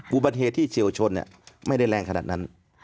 บุปเทศที่เชี่ยวชนฯนี่ไม่ได้แรงขนาดนั้น